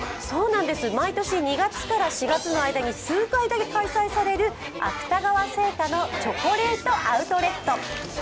そうなんです、毎年２月から４月の間に数回だけ開催される芥川製菓のチョコレートアウトレット。